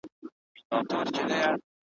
دوه پاچایان پر یو تخت نه ځايېږي .